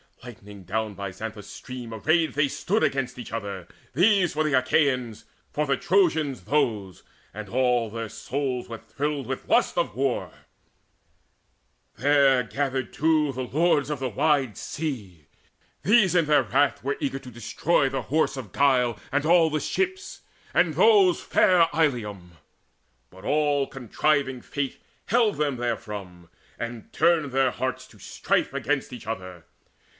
Lighting down by Xanthus' stream Arrayed they stood against each other, these For the Achaeans, for the Trojans those; And all their souls were thrilled with lust of war: There gathered too the Lords of the wide Sea. These in their wrath were eager to destroy The Horse of Guile and all the ships, and those Fair Ilium. But all contriving Fate Held them therefrom, and turned their hearts to strife Against each other.